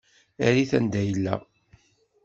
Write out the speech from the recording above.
Err-it anda yella.